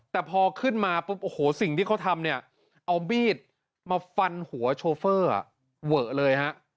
แต่พอขึ้นมาปุ๊บโอ้โหสิ่งที่เขาทำเนี่ยเอามีดมาฟันหัวโชเฟอร์เวอะเลยฮะ